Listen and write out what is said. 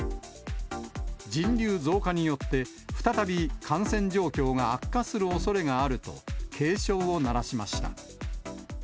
人流増加によって、再び感染状況が悪化するおそれがあると、警鐘を鳴らしました。